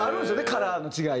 カラーの違い。